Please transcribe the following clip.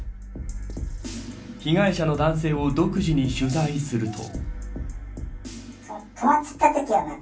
被害者の男性を独自に取材すると。